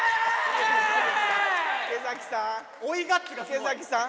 池崎さん。